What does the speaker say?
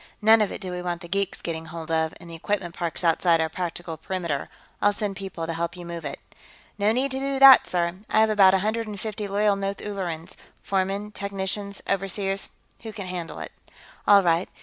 None of it do we want the geeks getting hold of, and the equipment park's outside our practical perimeter. I'll send people to help you move it." "No need to do that, sir; I have about a hundred and fifty loyal North Ullerans foremen, technicians, overseers who can handle it." "All right.